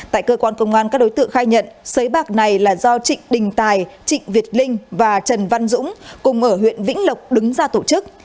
tại cơ quan công an các đối tượng khai nhận sấy bạc này là do trịnh đình tài trịnh việt linh và trần văn dũng cùng ở huyện vĩnh lộc đứng ra tổ chức